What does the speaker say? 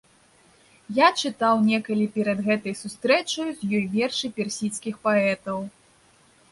Я чытаў некалі перад гэтай сустрэчаю з ёй вершы персідскіх паэтаў.